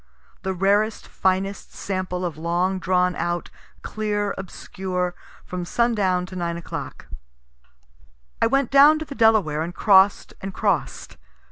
The rarest, finest sample of long drawn out clear obscure, from sundown to 9 o'clock. I went down to the Delaware, and cross'd and cross'd.